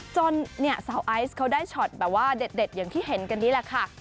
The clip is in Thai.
จนเนี่ยสาวไอซ์เขาได้ช็อตแบบว่าเด็ดอย่างที่เห็นกันนี่แหละค่ะ